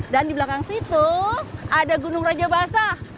dan di belakang situ ada gunung raja basah